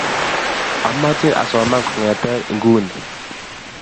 Amache asoman kong'ete inguni